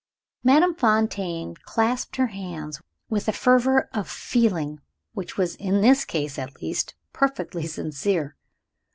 Madame Fontaine clasped her hands, with a fervor of feeling which was in this case, at least, perfectly sincere.